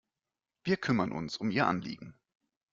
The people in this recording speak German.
Wir kümmern uns um Ihr Anliegen.